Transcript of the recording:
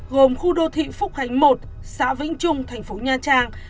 gồm khu đô thị phúc khánh một xã vĩnh trung thành phố nha trang